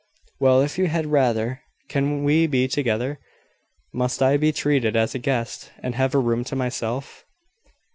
"Well, if you had rather . Cannot we be together? Must I be treated as a guest, and have a room to myself?"